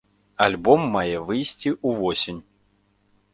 Альбом мае выйсці ўвосень.